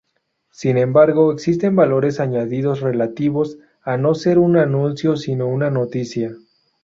Sin embargo, existen valores añadidos relativos a no ser un anuncio sino una noticia.